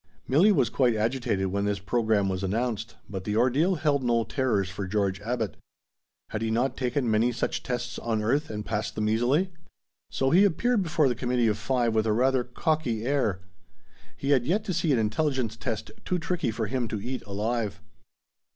Milli was quite agitated when this program was announced, but the ordeal held no terrors for George Abbot. Had he not taken many such tests on earth and passed them easily? So he appeared before the Committee of Five with a rather cocky air. He had yet to see an intelligence test too tricky for him to eat alive.